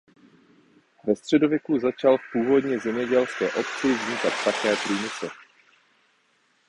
Ve středověku začal v původně zemědělské obci vznikat také průmysl.